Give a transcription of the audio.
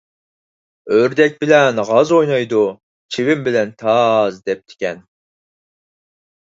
«ئۆردەك بىلەن غاز ئوينايدۇ، چىۋىن بىلەن تاز» دەپتىكەن.